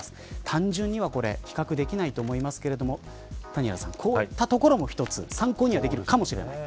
単純には比較できないと思いますがこういったところも一つ参考にはできるかもしれない。